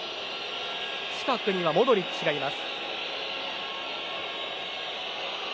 近くにはモドリッチがいます。